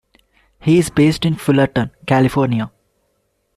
He is based in Fullerton, California.